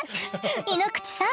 井ノ口さん